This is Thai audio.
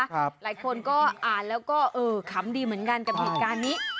หลายคนก็อ่านแล้วก็เออขำดีเหมือนกันกับเหตุการณ์นี้